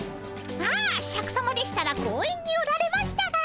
ああシャクさまでしたら公園におられましたが。